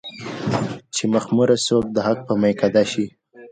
چې مخموره څوک د حق په ميکده شي